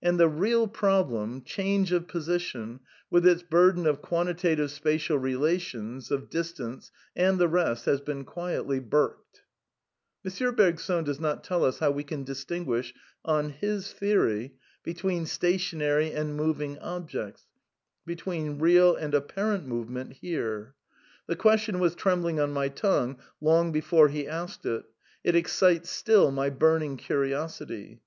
And the real problem, change of position, vdth its bur den of quantitative spatial relations, of distance, and the rest, has been quietly burked. M. Bergson does not tell us how we can distinguish — on his theory — between stationary and moving objects, between real and apparent movement " here." The ques tion was trembling on my tongue long before he asked it; it excites still my burning curiosity.